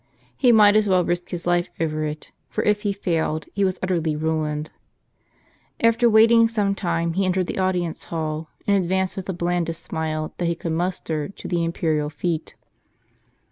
He might as well risk his life over it, for if he failed, he was utterly ruined. After waiting some time, he entered the audience hall, and advanced with the blandest smile that he could muster to the imperial feet.